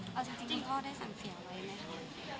คุณพ่อได้สั่งเสียงไว้ไหมค่ะ